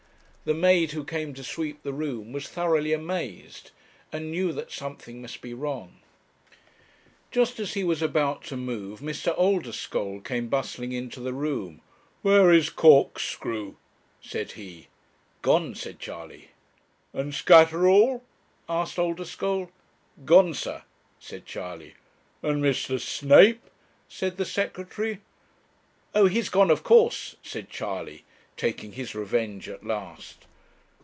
The maid who came to sweep the room was thoroughly amazed, and knew that something must be wrong. Just as he was about to move, Mr. Oldeschole came bustling into the room. 'Where is Corkscrew?' said he. 'Gone,' said Charley. 'And Scatterall?' asked Oldeschole. 'Gone, sir,' said Charley. 'And Mr. Snape?' said the Secretary. 'Oh, he is gone, of course,' said Charley, taking his revenge at last.